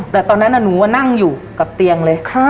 แต่ตอนนั้นหนูนั่งอยู่กับเตียงเลย